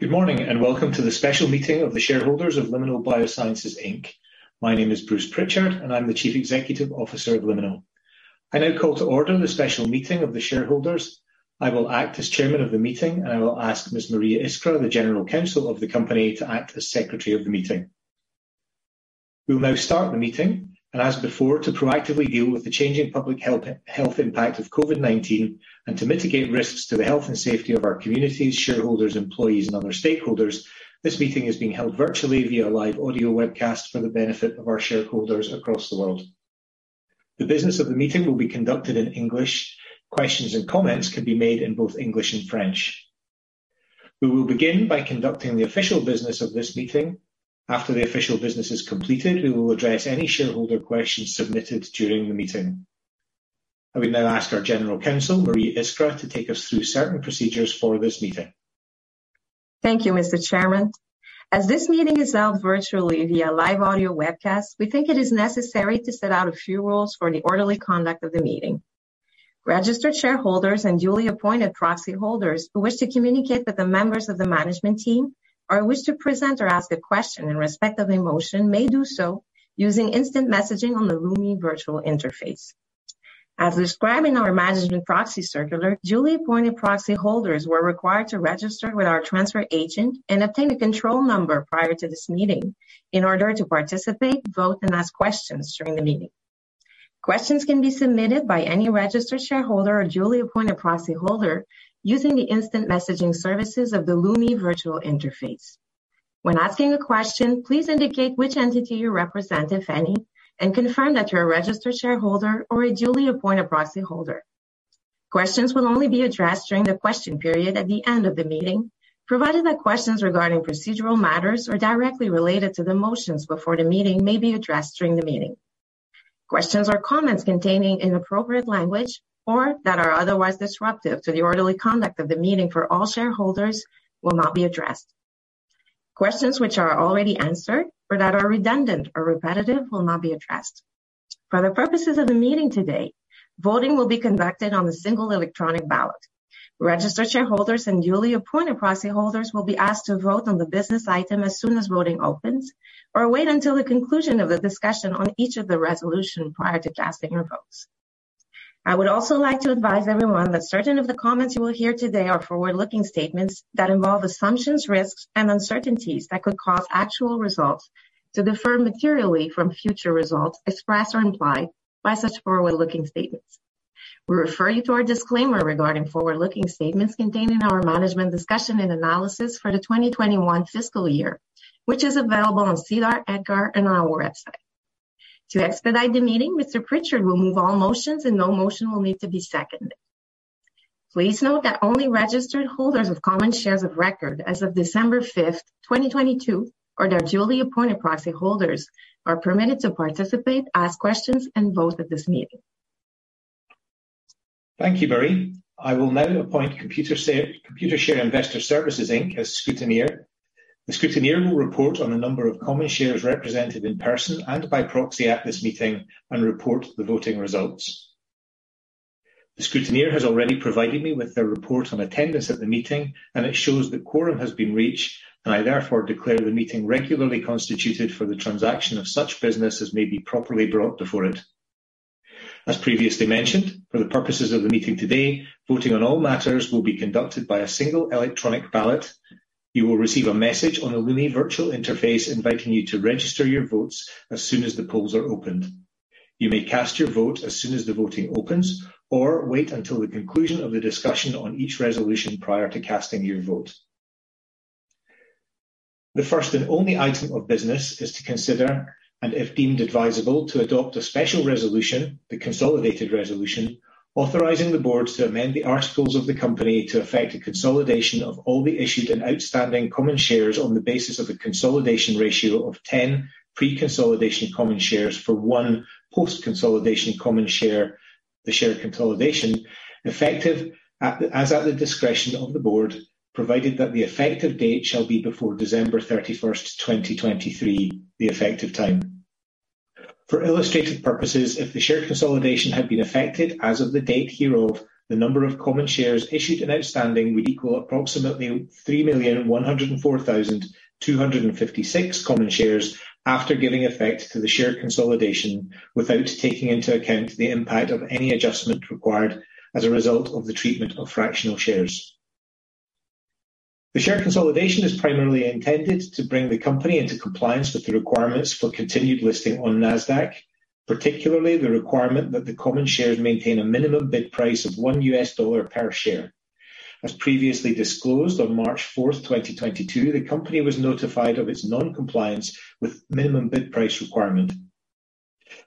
Good morning, welcome to the special meeting of the shareholders of Liminal BioSciences Inc. My name is Bruce Pritchard, and I'm the Chief Executive Officer of Liminal. I now call to order the special meeting of the shareholders. I will act as Chairman of the meeting, and I will ask Ms. Marie Iskra, the General Counsel of the company, to act as Secretary of the meeting. We will now start the meeting, and as before, to proactively deal with the changing public health impact of COVID-19 and to mitigate risks to the health and safety of our communities, shareholders, employees, and other stakeholders, this meeting is being held virtually via live audio webcast for the benefit of our shareholders across the world. The business of the meeting will be conducted in English. Questions and comments can be made in both English and French. We will begin by conducting the official business of this meeting. After the official business is completed, we will address any shareholder questions submitted during the meeting. I would now ask our General Counsel, Marie Iskra, to take us through certain procedures for this meeting. Thank you, Mr. Chairman. As this meeting is held virtually via live audio webcast, we think it is necessary to set out a few rules for the orderly conduct of the meeting. Registered shareholders and duly appointed proxy holders who wish to communicate with the members of the management team or wish to present or ask a question in respect of a motion may do so using instant messaging on the Lumi virtual interface. As described in our management proxy circular, duly appointed proxy holders were required to register with our transfer agent and obtain a control number prior to this meeting in order to participate, vote, and ask questions during the meeting. Questions can be submitted by any registered shareholder or duly appointed proxy holder using the instant messaging services of the Lumi virtual interface. When asking a question, please indicate which entity you represent, if any, and confirm that you're a registered shareholder or a duly appointed proxy holder. Questions will only be addressed during the question period at the end of the meeting, provided that questions regarding procedural matters are directly related to the motions before the meeting may be addressed during the meeting. Questions or comments containing inappropriate language or that are otherwise disruptive to the orderly conduct of the meeting for all shareholders will not be addressed. Questions which are already answered or that are redundant or repetitive will not be addressed. For the purposes of the meeting today, voting will be conducted on a single electronic ballot. Registered shareholders and duly appointed proxy holders will be asked to vote on the business item as soon as voting opens or wait until the conclusion of the discussion on each of the resolution prior to casting your votes. I would also like to advise everyone that certain of the comments you will hear today are forward-looking statements that involve assumptions, risks, and uncertainties that could cause actual results to differ materially from future results expressed or implied by such forward-looking statements. We refer you to our disclaimer regarding forward-looking statements contained in our Management Discussion and Analysis for the 2021 fiscal year, which is available on SEDAR, EDGAR, and on our website. To expedite the meeting, Mr. Pritchard will move all motions, and no motion will need to be seconded. Please note that only registered holders of common shares of record as of December 5th, 2022, or their duly appointed proxy holders are permitted to participate, ask questions, and vote at this meeting. Thank you, Marie. I will now appoint Computershare Investor Services Inc. as scrutineer. The scrutineer will report on the number of common shares represented in person and by proxy at this meeting and report the voting results. The scrutineer has already provided me with their report on attendance at the meeting, and it shows that quorum has been reached, and I therefore declare the meeting regularly constituted for the transaction of such business as may be properly brought before it. As previously mentioned, for the purposes of the meeting today, voting on all matters will be conducted by a single electronic ballot. You will receive a message on the Lumi virtual interface inviting you to register your votes as soon as the polls are opened. You may cast your vote as soon as the voting opens or wait until the conclusion of the discussion on each resolution prior to casting your vote. The first and only item of business is to consider, and if deemed advisable, to adopt a special resolution, the consolidated resolution, authorizing the Board to amend the articles of the company to effect a consolidation of all the issued and outstanding common shares on the basis of a consolidation ratio of 10 pre-consolidation common shares for one post-consolidation common share, the share consolidation, effective as at the discretion of the Board, provided that the effective date shall be before December 31st, 2023, the effective time. For illustrative purposes, if the share consolidation had been affected as of the date hereof, the number of common shares issued and outstanding would equal approximately 3,104,256 common shares after giving effect to the share consolidation without taking into account the impact of any adjustment required as a result of the treatment of fractional shares. The share consolidation is primarily intended to bring the company into compliance with the requirements for continued listing on Nasdaq, particularly the requirement that the common shares maintain a minimum bid price of $1 per share. As previously disclosed on March 4th, 2022, the company was notified of its non-compliance with minimum bid price requirement.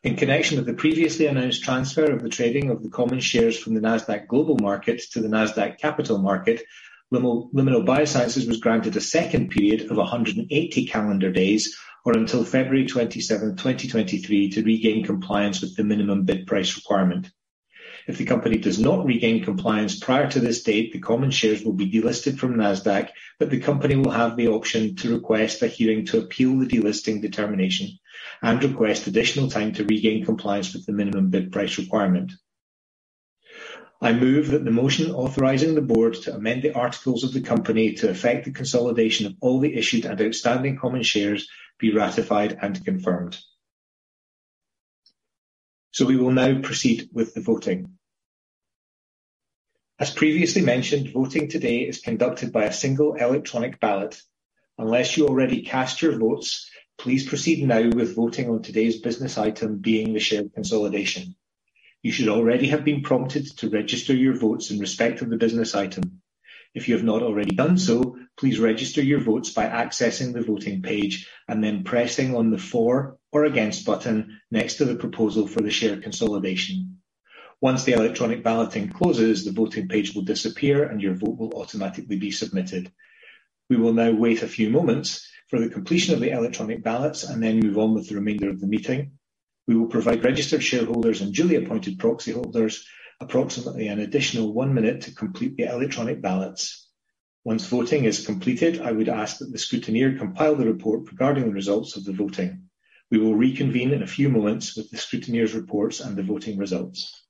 In connection with the previously announced transfer of the trading of the common shares from the Nasdaq Global Market to the Nasdaq Capital Market, Liminal BioSciences was granted a second period of 180 calendar days or until February 27, 2023, to regain compliance with the minimum bid price requirement. If the company does not regain compliance prior to this date, the common shares will be delisted from Nasdaq, but the company will have the option to request a hearing to appeal the delisting determination and request additional time to regain compliance with the minimum bid price requirement. I move that the motion authorizing the Board to amend the articles of the company to affect the consolidation of all the issued and outstanding common shares be ratified and confirmed so we will now proceed with the voting. As previously mentioned, voting today is conducted by a single electronic ballot. Unless you already cast your votes, please proceed now with voting on today's business item, being the share consolidation. You should already have been prompted to register your votes in respect of the business item. If you have not already done so, please register your votes by accessing the voting page and then pressing on the For or Against button next to the proposal for the share consolidation. Once the electronic balloting closes, the voting page will disappear, and your vote will automatically be submitted. We will now wait a few moments for the completion of the electronic ballots and then move on with the remainder of the meeting. We will provide registered shareholders and duly appointed proxyholders approximately an additional one minute to complete the electronic ballots. Once voting is completed, I would ask that the scrutineer compile the report regarding the results of the voting. We will reconvene in a few moments with the scrutineer's reports and the voting results.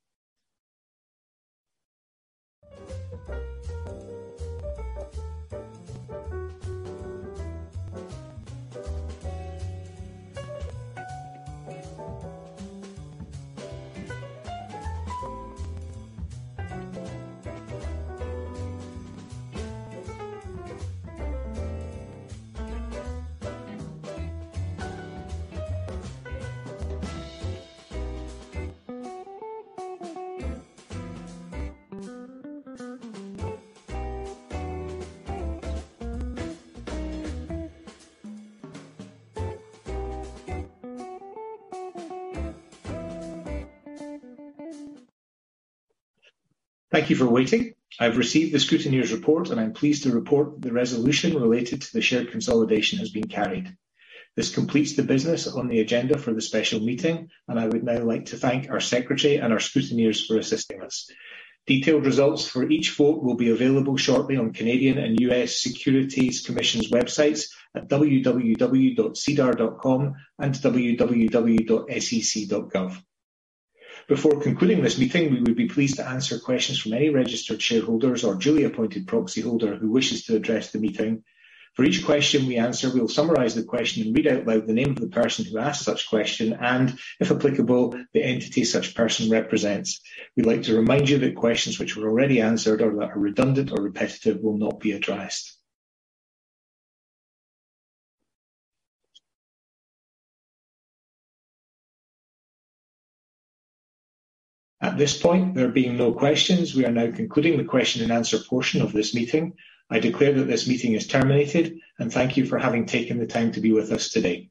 Thank you for waiting. I have received the scrutineer's report, and I'm pleased to report that the resolution related to the share consolidation has been carried. This completes the business on the agenda for the special meeting, and I would now like to thank our secretary and our scrutineers for assisting us. Detailed results for each vote will be available shortly on Canadian and U.S. Securities Commission's websites at www.sedar.com and www.sec.gov. Before concluding this meeting, we would be pleased to answer questions from any registered shareholders or duly appointed proxyholder who wishes to address the meeting. For each question we answer, we will summarize the question and read out loud the name of the person who asked such question and, if applicable, the entity such person represents. We'd like to remind you that questions which were already answered or that are redundant or repetitive will not be addressed. At this point, there being no questions, we are now concluding the question and answer portion of this meeting. I declare that this meeting is terminated. Thank you for having taken the time to be with us today.